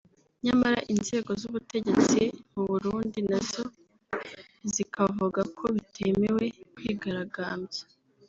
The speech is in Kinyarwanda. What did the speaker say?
nyamara inzego z’Ubutegetsi mu Burundi naz zikavuga ko bitemewe kwigaragambya